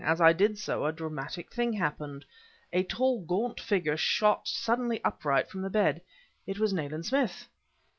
As I did so a dramatic thing happened. A tall, gaunt figure shot suddenly upright from beyond the bed. It was Nayland Smith!